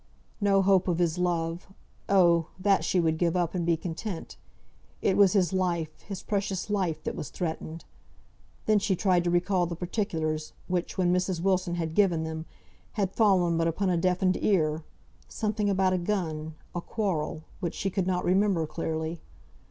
No hope of his love, oh, that she would give up, and be content; it was his life, his precious life, that was threatened. Then she tried to recall the particulars, which, when Mrs. Wilson had given them, had fallen but upon a deafened ear, something about a gun, a quarrel, which she could not remember clearly.